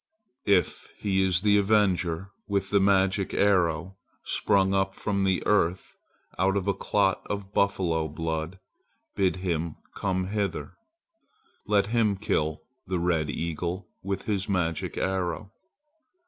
"If he is the avenger with the magic arrow, sprung up from the earth out of a clot of buffalo blood, bid him come hither. Let him kill the red eagle with his magic arrow.